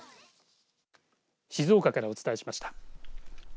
静岡からお伝えしました。